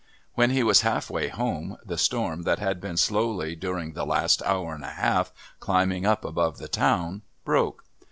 When he was half way home the storm that had been slowly, during the last hour and a half, climbing up above the town, broke.